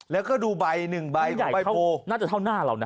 แล้วก็ดูใบหนึ่งใบของใบโพลมันใหญ่น่าจะเท่าน่าเรานะ